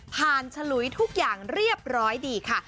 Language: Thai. ฉลุยทุกอย่างเรียบร้อยดีค่ะ